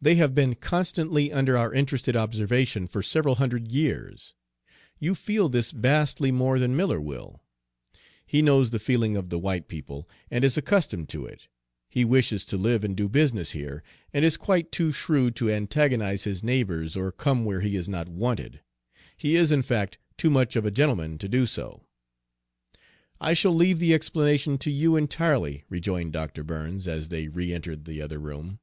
They have been constantly under our interested observation for several hundred years. You feel this vastly more than Miller will. He knows the feeling of the white people, and is accustomed to it. He wishes to live and do business here, and is quite too shrewd to antagonize his neighbors or come where he is not wanted. He is in fact too much of a gentleman to do so." "I shall leave the explanation to you entirely," rejoined Dr. Burns, as they reëntered the other room.